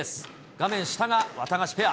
画面下がワタガシペア。